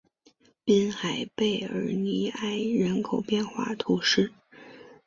滨海贝尔尼埃人口变化图示